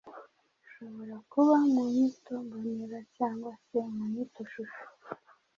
Hashobora kuba mu nyito mbonera cyangwa se mu nyito shusho.